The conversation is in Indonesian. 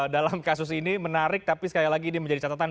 dalam kasus ini menarik tapi sekali lagi ini menjadi catatan